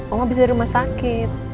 mama abis dari rumah sakit